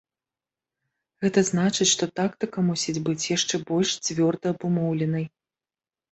Гэта значыць, што тактыка мусіць быць яшчэ больш цвёрда-абумоўленай.